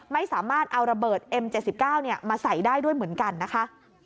ไม่สามารถเอาระเบิดเอ็ม๗๙มาใส่ได้ด้วยเหมือนกันนะคะ